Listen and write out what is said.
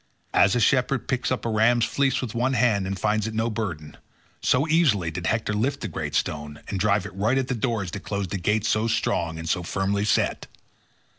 As a shepherd picks up a ram's fleece with one hand and finds it no burden, so easily did Hector lift the great stone and drive it right at the doors that closed the gates so strong and so firmly set.